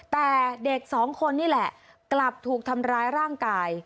แต่เด็กสองคนนี่แหละกลับถูกทำร้ายร่างกาย